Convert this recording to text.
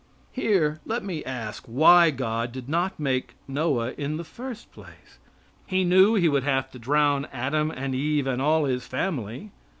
Here let me ask why God did not make Noah in the first place? He knew He would have to drown Adam and Eve and all his family.